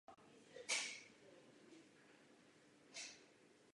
Je nutno hodnotit i mentální postižení pacienta.